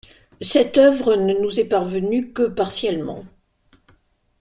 Cette œuvre ne nous est parvenue que partiellement.